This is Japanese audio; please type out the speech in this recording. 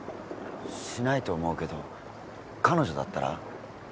しないと思うけど彼女だったら？